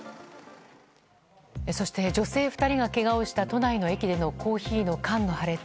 そして女性２人がけがをした都内の駅でのコーヒーの缶の破裂。